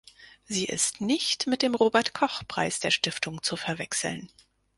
Sie ist nicht mit dem Robert-Koch-Preis der Stiftung zu verwechseln.